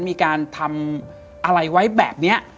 มีการทำอะไรไว้แบบนี้